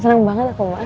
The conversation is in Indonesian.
senang banget aku ma